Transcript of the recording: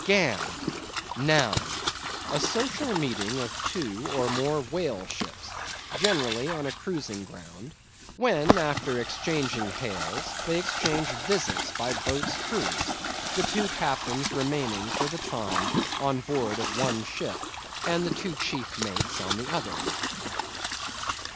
GAM. NOUN—A social meeting of two (or more) _Whaleships, generally on a cruising ground; when, after exchanging hails, they exchange visits by boats' crews: the two captains remaining, for the time, on board of one ship, and the two chief mates on the other.